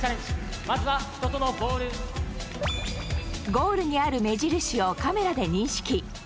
ゴールにある目印をカメラで認識。